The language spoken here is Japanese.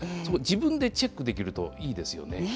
自分でチェックできるといいですよね。